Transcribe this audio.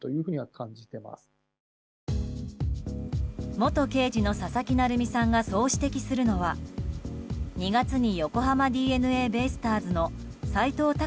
元刑事の佐々木成三さんがそう指摘するのは２月に横浜ＤｅＮＡベイスターズの斎藤隆